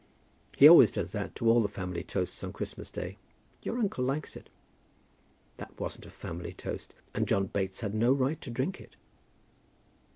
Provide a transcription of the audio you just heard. "He always does that to all the family toasts on Christmas Day. Your uncle likes it." "That wasn't a family toast, and John Bates had no right to drink it."